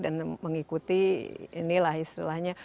dan mengikuti inilah istilahnya